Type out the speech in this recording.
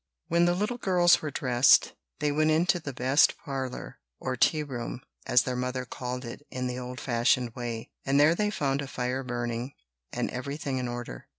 When the little girls were dressed, they went into the best parlour, or tea room, as their mother called it in the old fashioned way; and there they found a fire burning, and everything in order.